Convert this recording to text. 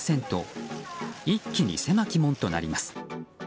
一気に狭き門となります。